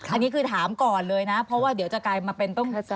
อันนี้คือถามก่อนเลยนะเพราะว่าเดี๋ยวจะกลายมาเป็นต้น